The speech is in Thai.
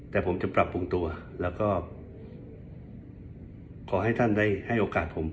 แต่ผมจะปรับปรุงตัวแล้วก็ขอให้ท่านได้ให้โอกาสผม